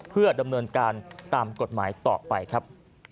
เพื่อดำเนินการตามกฎหมายต่อไปครับ